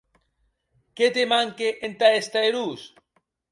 Qué te manque entà èster erós?